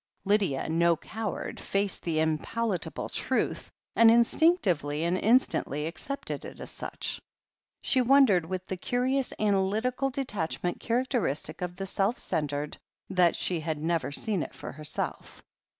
Lydia, no coward, faced the unpalatable truth, and instinctively and instantly accepted it as such. She wondered, with the curious analytical detach ment characteristic of the self centred, that she had never seen it for herself.